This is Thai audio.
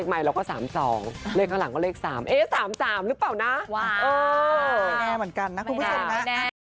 ไม่แน่เหมือนกันนะคุณผู้ชมนะ